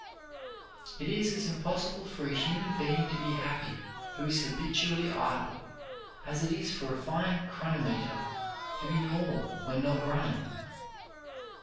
It is as impossible for a human being to be happy who is habitually idle as it is for a fine chronometer to be normal when not running.